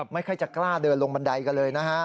ไม่ค่อยจะกล้าเดินลงบันไดกันเลยนะฮะ